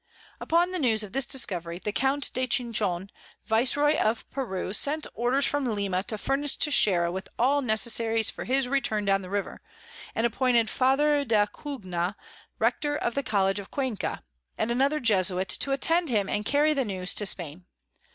Upon the News of this Discovery, the Count de Chinchon Viceroy of Peru sent Orders from Lima to furnish Texeira with all Necessaries for his Return down the River, and appointed Father d'Acugna, Rector of the College of Cuenca, and another Jesuit, to attend him and carry the News to Spain.